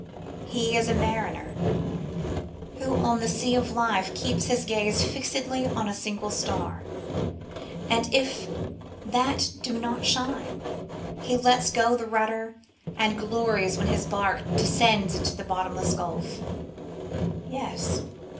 He is a mariner who, on the sea of life, keeps his gaze fixedly on a single star; and if that do not shine, he lets go the rudder, and glories when his barque descends into the bottomless gulf. Yes!